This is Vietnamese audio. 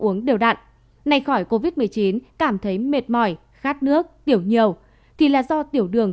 uống đều đặn nay khỏi covid một mươi chín cảm thấy mệt mỏi khát nước tiểu nhiều thì là do tiểu đường